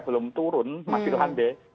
belum turun masih landai